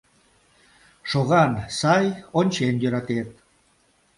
Шоган сай, ончен йӧратет.